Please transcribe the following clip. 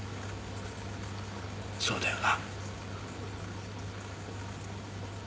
そうだよな？